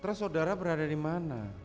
terus saudara berada di mana